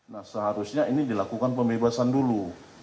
nah seharusnya ini dilakukan pembebasan dulu